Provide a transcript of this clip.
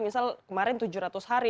misal kemarin tujuh ratus hari